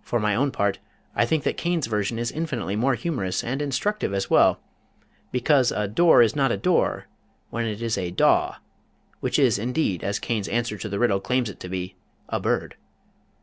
For my own part I think that Cain's version is infinitely more humorous and instructive as well, because a "door is not a door" when it is a "daw," which is, indeed, as Cain's answer to the riddle claims it to be, a bird.